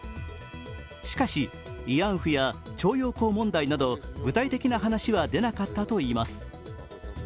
しかし、慰安婦や徴用工問題など具体的な話は出なかったといいます。